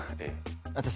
私？